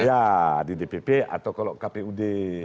ya di dpp atau kalau kpud